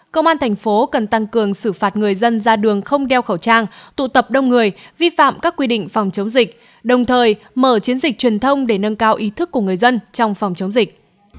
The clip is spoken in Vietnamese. công an thành phố cần tăng cường xử phạt người dân ra đường không đeo khẩu trang tụ tập đông người vi phạm các quy định phòng chống dịch đồng thời mở chiến dịch truyền thông để nâng cao ý thức của người dân trong phòng chống dịch